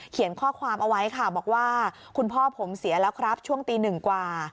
ข้อความเอาไว้ค่ะบอกว่าคุณพ่อผมเสียแล้วครับช่วงตีหนึ่งกว่า